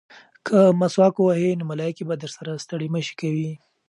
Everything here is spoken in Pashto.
که مسواک ووهې نو ملایکې به درسره ستړې مه شي کوي.